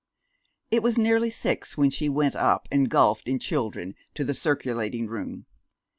It was nearly six when she went up, engulfed in children, to the circulating room.